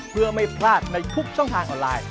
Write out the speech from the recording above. เพื่อไม่พลาดในทุกช่องทางออนไลน์